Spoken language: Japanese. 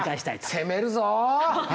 攻めるぞ！